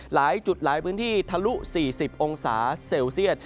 หลายจุดหลายพื้นที่ทะลุ๔๐องศาเซลเซียต